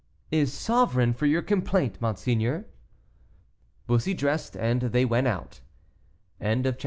"Is sovereign for your complaint, monseigneur." Bussy dressed, and they went out. CHAPTER XLIII.